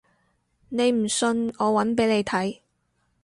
你唔信我搵俾你睇